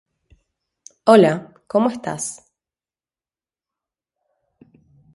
Orarás á él, y él te oirá; Y tú pagarás tus votos.